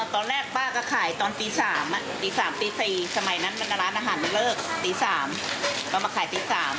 ตอนแรกป้าก็ขายตอนตี๓ตี๓ตี๔สมัยนั้นร้านอาหารมันเลิกตี๓ก็มาขายตี๓